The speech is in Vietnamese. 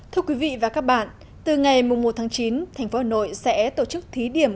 thưa quý vị và các bạn từ ngày một tháng chín thành phố hà nội sẽ tổ chức thí điểm